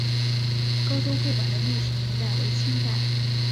高州会馆的历史年代为清代。